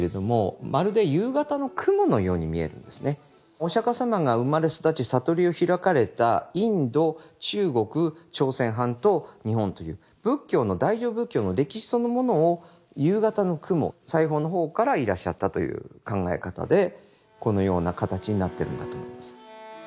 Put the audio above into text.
お釈様が生まれ育ち悟りを開かれたインド中国朝鮮半島日本という仏教の大乗仏教の歴史そのものを夕方の雲西方の方からいらっしゃったという考え方でこのような形になってるんだと思います。